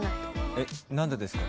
えっ何でですか？